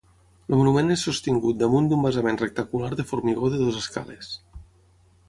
El monument és sostingut damunt d'un basament rectangular de formigó de dues escales.